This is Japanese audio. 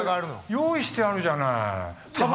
用意してあるじゃない。